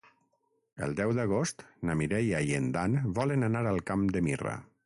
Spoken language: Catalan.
El deu d'agost na Mireia i en Dan volen anar al Camp de Mirra.